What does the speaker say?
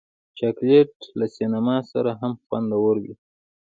چاکلېټ له سینما سره هم خوندور وي.